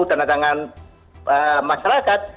tanda tangan masyarakat